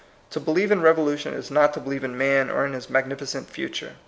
To believe in revolution is not to believe in man or in his magnificent future.